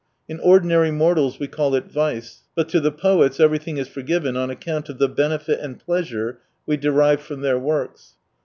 In ordinary mortals we call it vice ; but to the poets everything is forgiven on account of the benefit and pleasure we derive from their works.